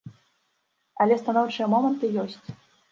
Але станоўчыя моманты ёсць.